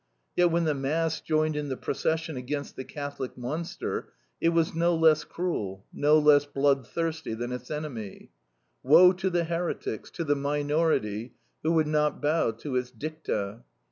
Yet when the mass joined in the procession against the Catholic monster, it was no less cruel, no less bloodthirsty than its enemy. Woe to the heretics, to the minority, who would not bow to its dicta.